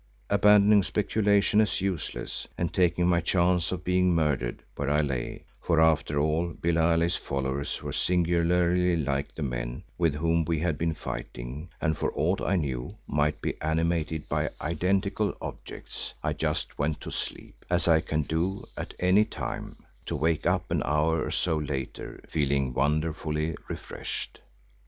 Abandoning speculation as useless and taking my chance of being murdered where I lay, for after all Billali's followers were singularly like the men with whom we had been fighting and for aught I knew might be animated by identical objects—I just went to sleep, as I can do at any time, to wake up an hour or so later feeling wonderfully refreshed.